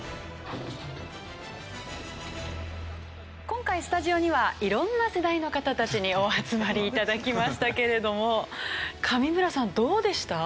今回スタジオには色んな世代の方たちにお集まり頂きましたけれども上村さんどうでした？